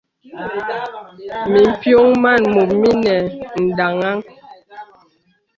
M̀pyōŋ màn mùt binām mìnə̀ daŋ̄aŋ.